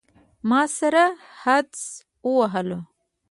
ما سره حدس وهلو.